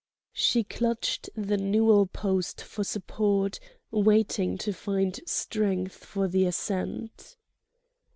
She clutched the newel post for support, waiting to find strength for the ascent.